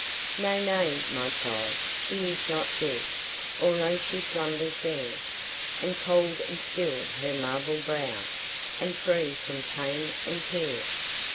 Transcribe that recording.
Nay, nay, my child, she is not dead, Although she slumbers there, And cold and still her marble brow, And free from pain and care.